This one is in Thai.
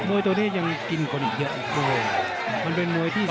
โม้ยโตเนี้ยยังกินกว่าถียะอีกนะว้ว